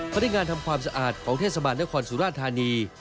พนักงานทำความสะอาดของเทศบาลนครสุราธานี